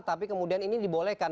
tapi kemudian ini dibolehkan